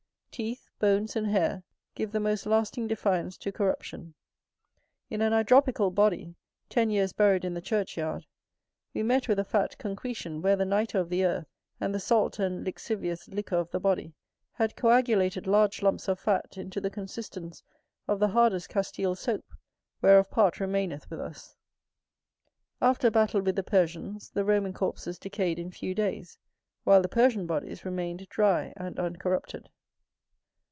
Teeth, bones, and hair, give the most lasting defiance to corruption. In an hydropical body, ten years buried in the churchyard, we met with a fat concretion, where the nitre of the earth, and the salt and lixivious liquor of the body, had coagulated large lumps of fat into the consistence of the hardest Castile soap, whereof part remaineth with us. After a battle with the Persians, the Roman corpses decayed in few days, while the Persian bodies remained dry and uncorrupted.